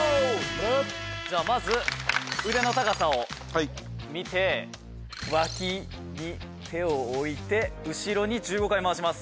じゃあまず腕の高さを見てわきに手を置いて後ろに１５回回します。